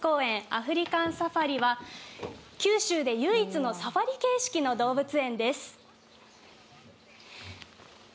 アフリカンサファリは九州で唯一のサファリ形式の動物園です。